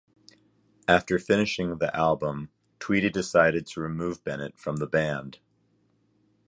After finishing the album, Tweedy decided to remove Bennett from the band.